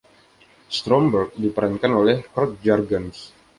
Stromberg diperankan oleh Curt Jurgens.